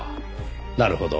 なるほど。